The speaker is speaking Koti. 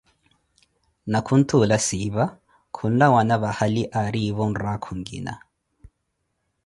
Na khunthuula Siipa khunlawana vahali aarivo mraakho nkina.